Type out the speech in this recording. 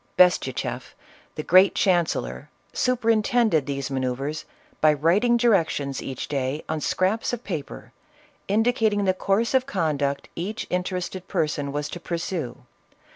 Bestucheff, the great chancellor, superintend ed these manoeuvres by writing directions each day, on scraps of paper, indicating the course of conduct each interested person was to pursue.